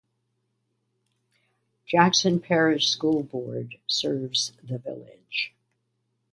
Jackson Parish School Board serves the village.